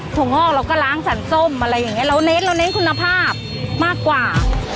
วงอกเราก็ล้างสันส้มอะไรอย่างเงี้เราเน้นเราเน้นคุณภาพมากกว่า